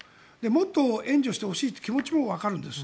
もっと援助してほしいという気持ちもわかるんです。